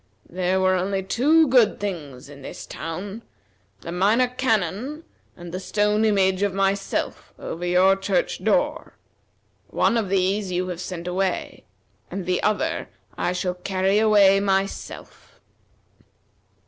There were only two good things in this town: the Minor Canon and the stone image of myself over your church door. One of these you have sent away, and the other I shall carry away myself."